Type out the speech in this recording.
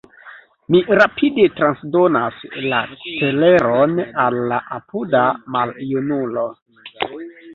Mi rapide transdonas la teleron al la apuda maljunulo.